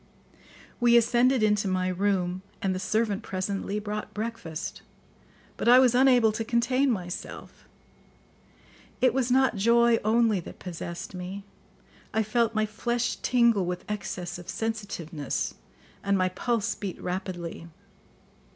We ascended into my room, and the servant presently brought breakfast; but I was unable to contain myself. It was not joy only that possessed me; I felt my flesh tingle with excess of sensitiveness, and my pulse beat rapidly.